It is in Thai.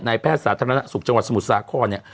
แพทย์สาธารณสุขจังหวัดสมุทรสาครเนี่ย